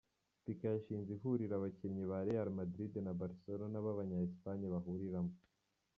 Pique yashinze ihuriro abakinnyi ba Real Madrid na Barcelona b’abanya Espagne bahuriramo.